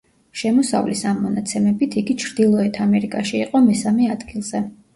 შემოსავლის ამ მონაცემებით იგი ჩრდილოეთ ამერიკაში იყო მესამე ადგილზე.